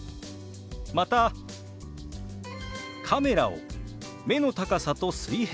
また「カメラを目の高さと水平にする」。